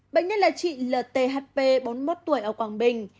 bệnh nhân là chị lthp bốn mươi một tuổi ở quảng bình